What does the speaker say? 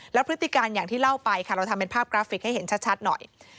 แล้วพฤติการอย่างที่เล่าไปค่ะเราทำเป็นภาพกราฟิกให้เห็นชัดหน่อย